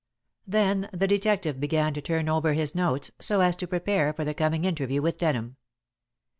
Then the detective began to turn over his notes, so as to prepare for the coming interview with Denham.